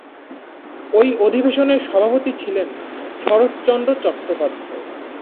ঐ অধিবেশনের সভাপতি ছিলেন শরৎচন্দ্র চট্টোপাধ্যায়।